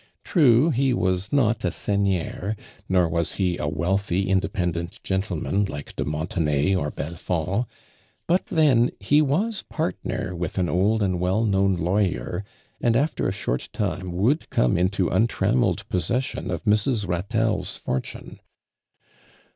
True, be was not a seigneur, nor was ho a wealthy, independent gentleman like de Montenay or Belfond, but then he was partner with an old and well known lawyer, and after a short time would come into untrammelled possession of Mrs. Ratelle's fortune.